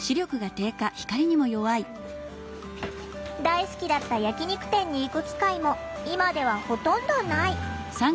大好きだった焼き肉店に行く機会も今ではほとんどない。